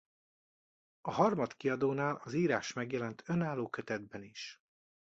A Harmat Kiadónál az írás megjelent önálló kötetben is.